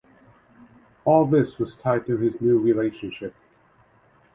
All this was tied to his new relationship.